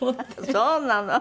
そうなの？